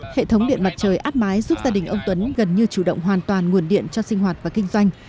hệ thống điện mặt trời áp mái giúp gia đình ông tuấn gần như chủ động hoàn toàn nguồn điện cho sinh hoạt và kinh doanh